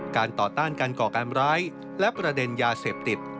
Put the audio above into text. ต่อต้านการก่อการร้ายและประเด็นยาเสพติด